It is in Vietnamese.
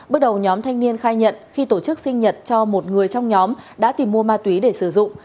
bước đầu nhóm thanh niên khai nhận khi tổ chức sinh nhật cho một người trong nhóm đã tìm mua ma túy để sử dụng